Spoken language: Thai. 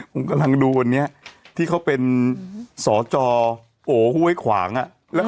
ผมกำลังดูวันนี้ที่เขาเป็นสจโอห้วยขวางอ่ะ